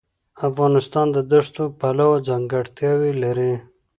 افغانستان د دښتو پلوه ځانګړتیاوې لري.